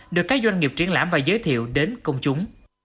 được các doanh nghiệp triển lãm và giới thiệu đến công chúng